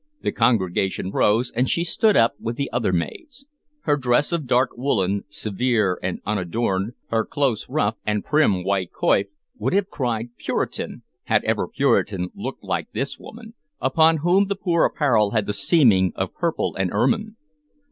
The congregation rose, and she stood up with the other maids. Her dress of dark woolen, severe and unadorned, her close ruff and prim white coif, would have cried "Puritan," had ever Puritan looked like this woman, upon whom the poor apparel had the seeming of purple and ermine.